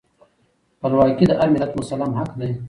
خپلواکي د هر ملت مسلم حق دی.